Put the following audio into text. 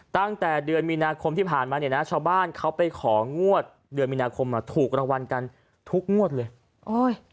ตั้งแต่เดือนมีนาคมที่ผ่านมาเนี่ยนะชาวบ้านเขาไปของงวดเดือนมีนาคมอ่ะถูกรางวัลกันทุกงวดเลยโอ้ย